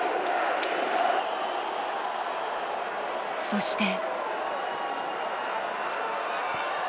そして。